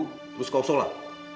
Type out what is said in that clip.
terus kau sholat